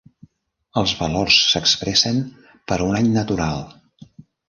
Els valors s'expressen per a un any natural.